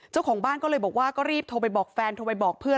เจ้าของบ้านก็เลยบอกว่าก็รีบโทรไปบอกแฟนโทรไปบอกเพื่อน